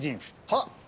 はっ！